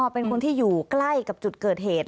เป็นคนที่อยู่ใกล้กับจุดเกิดเหตุ